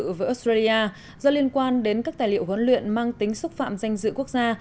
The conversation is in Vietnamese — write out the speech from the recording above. của australia do liên quan đến các tài liệu huấn luyện mang tính xúc phạm danh dự quốc gia